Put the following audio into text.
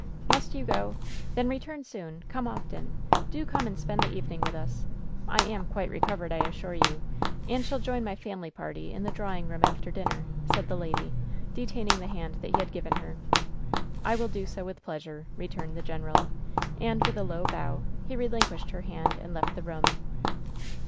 "Must you go ? Then return soon. Come often. Do come and spend the evening with us. I am quite recov ered, I assure you, and shall join my family party in the drawing room after dinner," said the lady, detaining the hand that he had given her. "I will do so with pleasure," returned the general, and with a low bow he relinquished her hand and left the room.